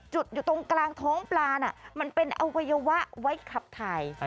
จุดอยู่ตรงกลางท้องปลาน่ะมันเป็นอวัยวะไว้ขับถ่าย